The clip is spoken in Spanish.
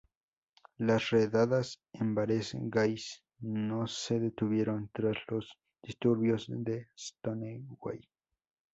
Las redadas en bares gais no se detuvieron tras los disturbios de Stonewall.